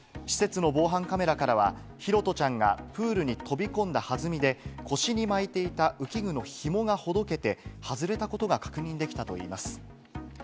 施設の防犯カメラからは拓杜ちゃんがプールに飛び込んだはずみで、腰に巻いていた浮き具の紐がほどけて外れたことが確認できたといいます。